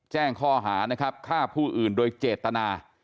แจ้งข้อหานะครับฆ่าผู้อื่นโดยเจตนา